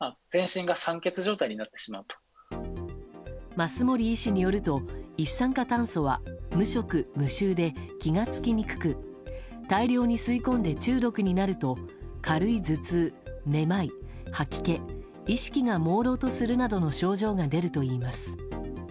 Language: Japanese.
舛森医師によると一酸化炭素は無色・無臭で気が付きにくく大量に吸い込んで中毒になると軽い頭痛、めまい、吐き気意識がもうろうとするなどの症状が出るといいます。